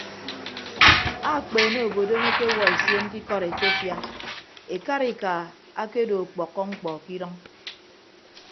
Akpeene obodom akewuọ esion ke ikọdetefia ekarika akedo ọkpọkkọ mkpọ ke idʌñ.